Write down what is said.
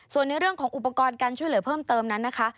ส่วนในเรื่องของอุปกรณ์การช่วยเหลือเพิ่มเติมนั้นนะคะ